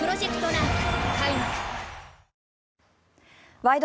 「ワイド！